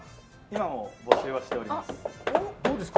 今も募集はしております。